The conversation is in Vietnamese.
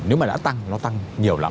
nếu mà đã tăng nó tăng nhiều lắm